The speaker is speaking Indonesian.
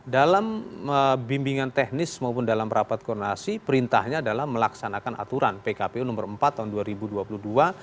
dalam bimbingan teknis maupun dalam rapat koordinasi perintahnya adalah melaksanakan aturan pkpu nomor empat tahun dua ribu dua puluh dua